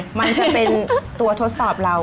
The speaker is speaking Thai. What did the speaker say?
เพราะว่ามันจะเป็นตัวทดสอบเรา